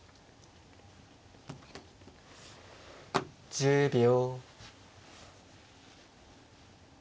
１０秒。